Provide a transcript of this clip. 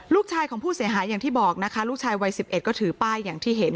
ลูกชายของผู้เสียหายอย่างที่บอกนะคะลูกชายวัย๑๑ก็ถือป้ายอย่างที่เห็น